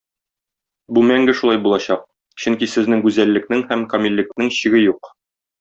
Бу мәңге шулай булачак, чөнки сезнең гүзәллекнең һәм камиллекнең чиге юк.